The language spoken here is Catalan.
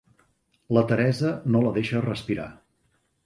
La Teresa no la deixa respirar.